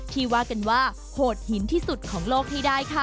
ที่ว่ากันว่าโหดหินที่สุดของโลกให้ได้ค่ะ